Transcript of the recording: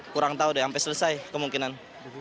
kurang tahu deh sampai selesai kemungkinan